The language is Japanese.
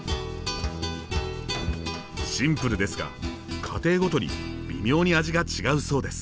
シンプルですが家庭ごとに微妙に味が違うそうです。